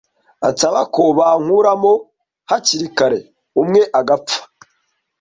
ansaba ko babankuramo hakiri kare umwe agapfa,